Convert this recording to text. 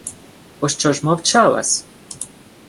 — Пощо ж мовчала-с?